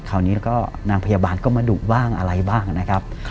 คราวนี้แล้วก็นางพยาบาลก็มาดุบ้างอะไรบ้างนะครับ